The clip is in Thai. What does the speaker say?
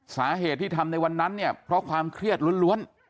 สาเหตุที่ทำในวันนั้นเนี่ยเพราะความเครียดล้วน